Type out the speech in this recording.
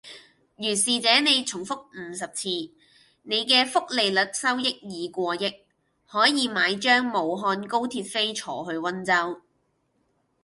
如是這你重複五十次，你既複利率收益已過億，可以買張武漢高鐵飛坐去溫州